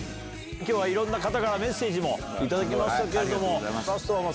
今日はいろんな方からメッセージも頂きました。